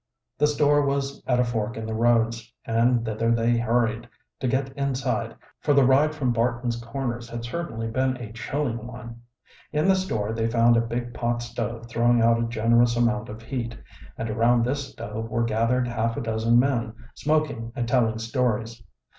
The store was at a fork in the roads, and thither they hurried, to get inside, for the ride from Barton's Corners had certainly been a chilling one. In the store they found a big pot stove throwing out a generous amount of heat, and around this stove were gathered half a dozen men, smoking and telling stories.